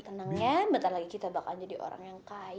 tenangnya bentar lagi kita bakal jadi orang yang kaya